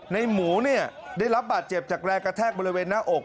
ในหมูเนี่ยได้รับบาดเจ็บจากแรงกระแทกบริเวณหน้าอก